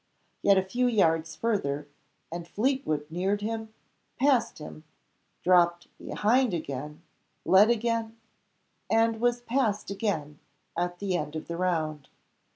Yet a few yards further, and Fleetwood neared him, passed him, dropped behind again, led again, and was passed again at the end of the round.